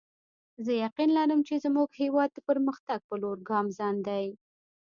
زه یقین لرم چې زموږ هیواد د پرمختګ په لور ګامزن دی